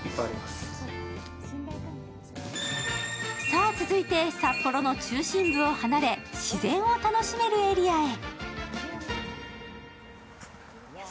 さあ、続いて札幌の中心部を離れ自然を楽しめるエリアへ。